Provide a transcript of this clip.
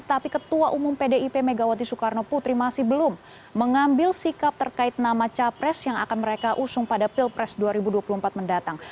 tapi megawati soekarnoputri masih belum mengambil sikap terkait nama capres yang akan mereka usung pada pilpres dua ribu dua puluh empat mendatang